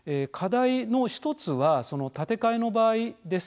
１つは建て替えの場合です。